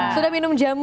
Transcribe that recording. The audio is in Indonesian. sudah minum jamu